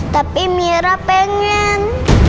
tapi mira pengen